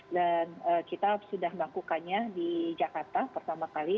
dan kita sudah melakukannya di jakarta pertama kali